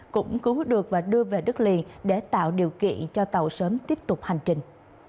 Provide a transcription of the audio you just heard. cũng cứu hút được và đưa về đất liền để tạo điều kiện cho tàu sớm tiếp tục hành trình